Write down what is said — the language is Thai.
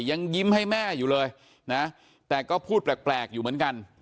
ยังยิ้มให้แม่อยู่เลยนะแต่ก็พูดแปลกอยู่เหมือนกัน